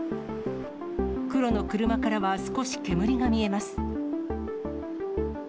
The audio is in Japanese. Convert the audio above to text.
黒の車からは少し煙が見えます。